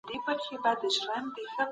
د نوي نسل ځوانان بايد تاريخ ولولي.